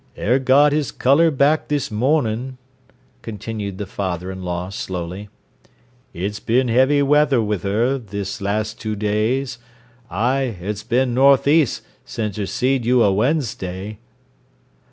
"'Er's got 'er colour back this mornin'," continued the father in law slowly. "It's bin heavy weather wi' 'er this last two days. Ay 'er's bin north east sin 'er seed you a Wednesday."